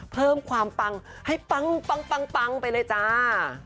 ไปเลยจ้า